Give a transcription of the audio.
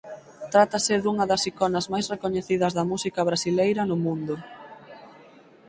Trátase dunha das iconas máis recoñecidas da música brasileira no mundo.